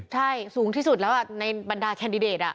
ใช่สูงที่สุดแล้วในบรรดาแคนดิเดต